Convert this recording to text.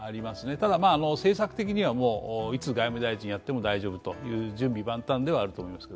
ただ、政策的にはいつ外務大臣やっても大丈夫と、準備万端だと思います。